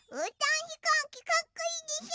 ひこうきかっこいいでしょ？